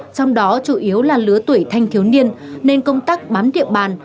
trong đó chủ yếu là lứa tuổi thanh thiếu niên nên công tác bám địa bàn